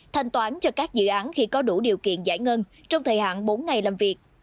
thanh toán cho các dự án khi có đủ điều kiện giải ngân trong thời hạn bốn ngày làm việc